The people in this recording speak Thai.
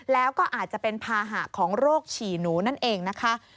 แล้วก็อาจจะเป็นภาหะของโรคฉี่หนูนั่นเองนะคะ